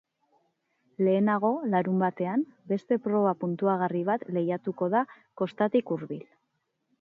Lehenago, larunbatean, beste proba puntuagarri bat lehiatuko da kostatik hurbil.